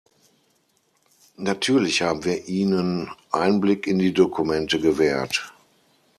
Natürlich haben wir ihnen Einblick in die Dokumente gewährt.